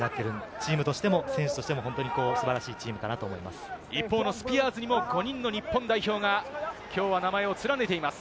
チームとしても選手としても素晴スピアーズにも５人の日本代表がきょうは名前を連ねています。